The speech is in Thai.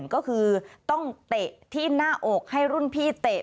ก็คือต้องเตะที่หน้าอกให้รุ่นพี่เตะ